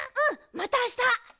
またあした！